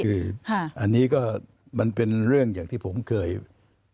ครับอันนี้ก็มันเป็นเรื่องอย่างที่ผมเคยพูดไว้